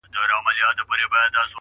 هره ورځ نوی فکر نوی لوری جوړوي’